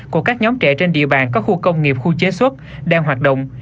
của các nhóm trẻ trên địa bàn có khu công nghiệp khu chế xuất đang hoạt động